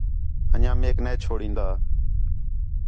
انڄیاں میک نے چُھڑین٘دا